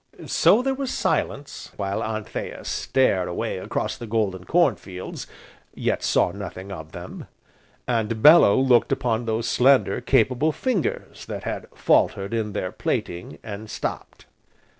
So there was silence while Anthea stared away across the golden corn fields, yet saw nothing of them, and Bellew looked upon those slender, capable fingers, that had faltered in their plaiting and stopped.